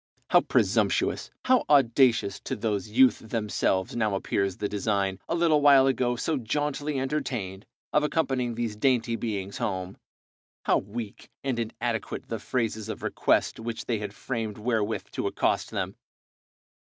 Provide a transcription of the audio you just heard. How presumptuous, how audacious, to those youth themselves now appears the design, a little while ago so jauntily entertained, of accompanying these dainty beings home, how weak and inadequate the phrases of request which they had framed wherewith to accost them!